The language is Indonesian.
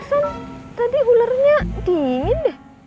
kan tadi ularnya dingin deh